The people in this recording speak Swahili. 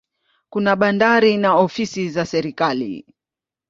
Kuna bandari na ofisi za serikali.